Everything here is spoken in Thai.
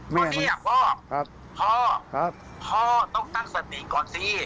พ่อเนี่ยพ่อพ่อพ่อต้องตั้งสติก่อนสิ